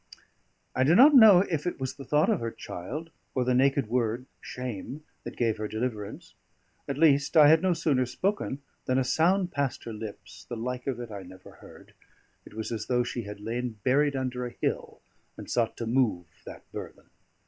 I do not know if it was the thought of her child or the naked word shame that gave her deliverance; at least I had no sooner spoken than a sound passed her lips, the like of it I never heard; it was as though she had lain buried under a hill and sought to move that burthen.